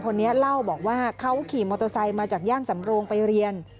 คนนี้เล่าบอกว่าเขาขี่มอเตอร์ไซค์มาจากย่านสำโรงไปเรียน